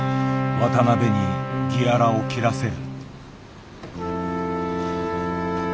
渡辺にギアラを切らせる。